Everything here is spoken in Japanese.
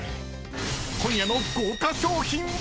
［今夜の豪華賞品は⁉］